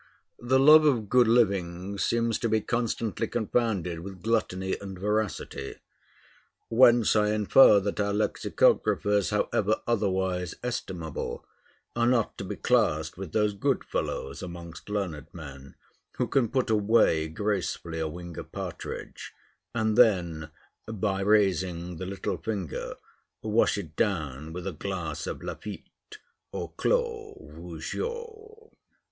The love of good living seems to be constantly confounded with gluttony and voracity; whence I infer that our lexicographers, however otherwise estimable, are not to be classed with those good fellows amongst learned men who can put away gracefully a wing of partridge, and then, by raising the little finger, wash it down with a glass of Lafitte or Clos Vougeot.